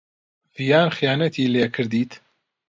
ڤیان خیانەتی لێ کردیت.